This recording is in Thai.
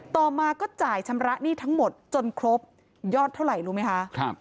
ต่อมาก็จ่ายชำระหนี้ทั้งหมดจนครบยอดเท่าไหร่รู้ไหมคะ